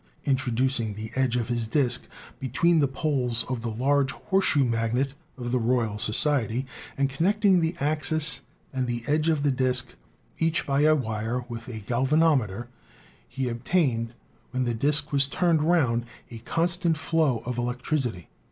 Introducing the edge uf his disk between the poles of 188 ELECTRICITY the large horseshoe magnet of the Royal Society, and con necting the axis and the edge of the disk each by a wire with a galvanometer, he obtained, when the disk was turned round, a constant flow of electricity.